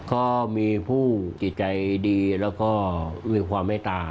ก็มีผู้จิตใจดีแล้วก็มีความเมตตา